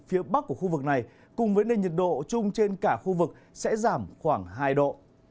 phía bắc của khu vực này cùng với nền nhiệt độ chung trên cả khu vực sẽ giảm khoảng hai độ